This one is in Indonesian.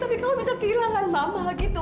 mama bisa mati lama lama tau